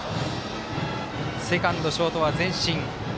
セカンド、ショートは前進。